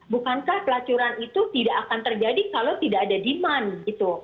bukankah pelacuran itu tidak akan terjadi kalau tidak ada demand gitu